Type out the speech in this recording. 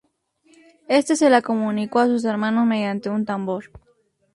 Éste se la comunicó a sus hermanos mediante un tambor.